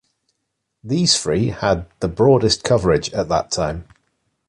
These three had the "broadest coverage" at that time.